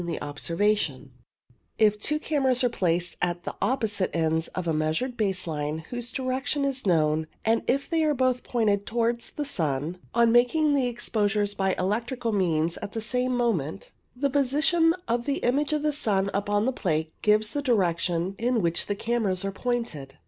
EXETER OBSERVATIONS I39 If two cameras are placed at the opposite ends of a measured base line, whose direction is known, and if they are both pointed towards the sun, on making the exposures by electrical means at the same moment, the position of the image of the sun upon the plate gives the direction in which the cameras are pointed.